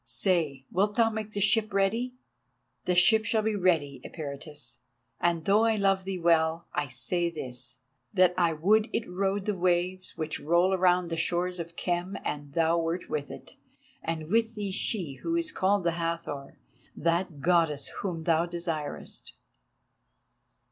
Say, wilt thou make the ship ready?" "The ship shall be ready, Eperitus, and though I love thee well, I say this, that I would it rode the waves which roll around the shores of Khem and thou wert with it, and with thee she who is called the Hathor, that Goddess whom thou desirest."